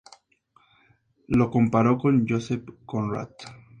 Lo comparó con Joseph Conrad.